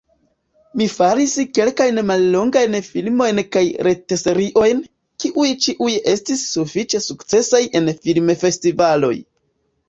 Mi faris kelkajn mallongajn filmojn kaj retseriojn, kiuj ĉiuj estis sufiĉe sukcesaj en filmfestivaloj.